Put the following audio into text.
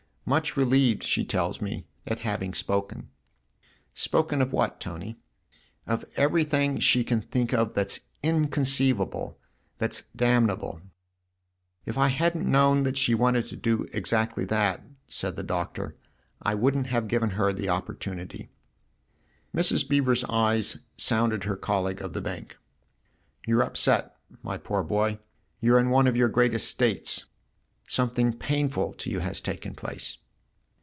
" Much relieved, she tells me, at having spoken." " Spoken of what, Tony ?"" Of everything she can think of that's incon ceivable that's damnable." 28 THE OTHER HOUSE " If I hadn't known that she wanted to do exactly that," said the Doctor, " I wouldn't have given her the opportunity." Mrs. Beever's eyes sounded her colleague of the Bank. " You're upset, my poor boy you're in one of your greatest states. Something painful to you has taken place."